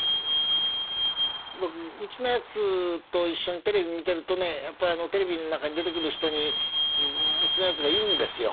うちのやつと一緒にテレビを見ているとテレビの中に出てくる人にうちのやつが言うんです。